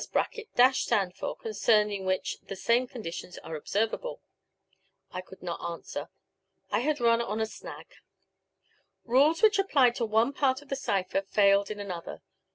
] stand for, concerning which the same conditions are observable? I could not answer. I had run on a snag. Rules which applied to one part of the cipher failed in another.